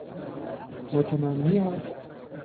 متمنی است...